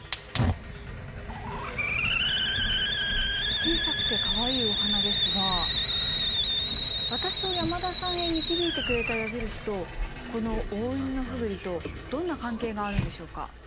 小さくてかわいいお花ですが私を山田さんへ導いてくれた矢印とこのオオイヌノフグリとどんな関係があるんでしょうか？